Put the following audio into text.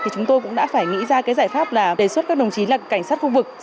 chúng tôi cũng đã phải nghĩ ra cái giải pháp là đề xuất các đồng chí là cảnh sát khu vực